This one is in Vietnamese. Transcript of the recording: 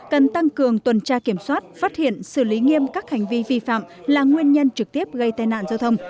cần tăng cường tuần tra kiểm soát phát hiện xử lý nghiêm các hành vi vi phạm là nguyên nhân trực tiếp gây tai nạn giao thông